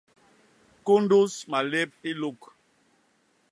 Kundus malép i luk.